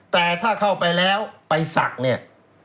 แต่ถ้าเข้าไปแล้วไปศักดิ์เนี่ย